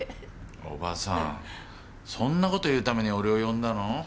伯母さんそんな事言うために俺を呼んだの？